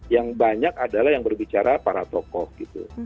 yang banyak adalah yang berbicara para tokoh gitu